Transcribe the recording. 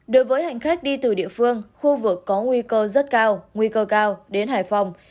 đối với hành khách đi từ địa phương khu vực có nguy cơ rất cao nguy cơ cao đến hải phòng